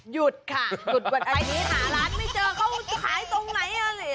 หยุดวันอาทิตย์หาร้านไม่เจอเขาขายตรงไหน